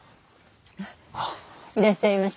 いらっしゃいませ。